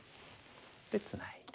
でツナいで。